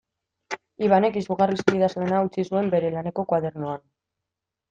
Ibanek izugarrizko idazlana utzi zuen bere laneko koadernoan.